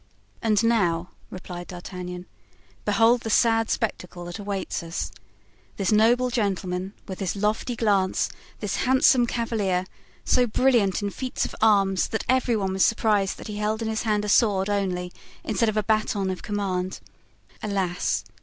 "And now," replied D'Artagnan, "behold the sad spectacle that awaits us. This noble gentleman with his lofty glance, this handsome cavalier, so brilliant in feats of arms that every one was surprised that he held in his hand a sword only instead of a baton of command! Alas!